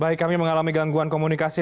baik kami mengalami gangguan komunikasi